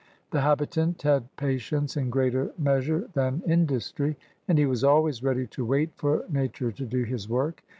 The hab itant had patience in greater measure than industry, and he was always ready to wait for nature to do his work.